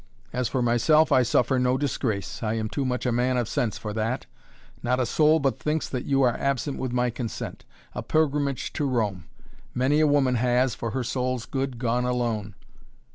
As for myself I suffer no disgrace. I am too much a man of sense for that. Not a soul but thinks that you are absent with my consent. A pilgrimage to Rome! Many a woman has, for her soul's good gone alone.